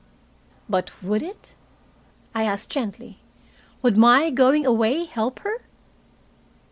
"But would it?" I asked gently. "Would my going away help her?"